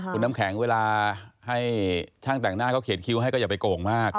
คุณน้ำแข็งเวลาให้ช่างแต่งหน้าเขาเขียนคิวให้ก็อย่าไปโก่งมาก